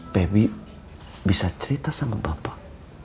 pemi bisa cerita sama bapak